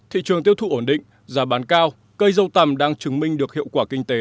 thị trường tiêu thụ ổn định giá bán cao cây dâu tằm đang chứng minh được hiệu quả kinh tế